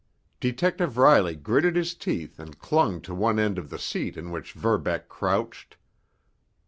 Detective Riley gritted his teeth and clung to one end of the seat in which Verbeck crouched.